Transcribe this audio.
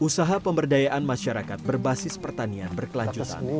usaha pemberdayaan masyarakat berbasis pertanian berkelanjutan